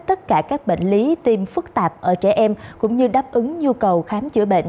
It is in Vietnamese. tất cả các bệnh lý tim phức tạp ở trẻ em cũng như đáp ứng nhu cầu khám chữa bệnh